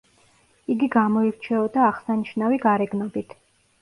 იგი გამოირჩეოდა აღსანიშნავი გარეგნობით.